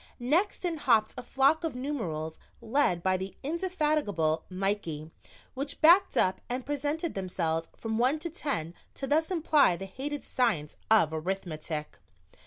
Next in hopped a flock of numerals led by the indefatigable Mikey, which backed up and presented themselves from one to ten to thus imply the hated science of "Arithmetic."